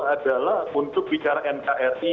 adalah untuk bicara nkri